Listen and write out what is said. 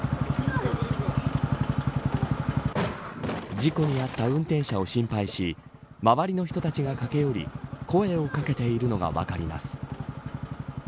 事故に遭った運転者を心配し周りの人たちが駆け寄り声を掛けているのが分かります。